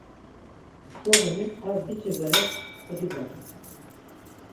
Soğuni ar biç̌i bere kodibadu.